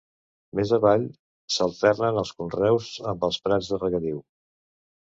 Més avall s'alternen els conreus amb els prats de regadiu.